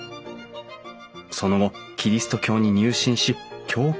その後キリスト教に入信し教会を設立。